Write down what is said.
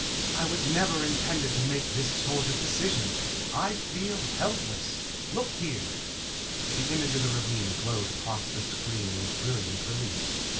"I was never intended to make this sort of decisions. I feel helpless. Look here " The image of the ravine glowed across the screen in brilliant relief.